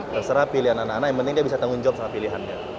terserah pilihan anak anak yang penting dia bisa tanggung jawab sama pilihannya